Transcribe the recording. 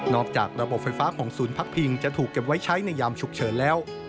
จากระบบไฟฟ้าของศูนย์พักพิงจะถูกเก็บไว้ใช้ในยามฉุกเฉินแล้ว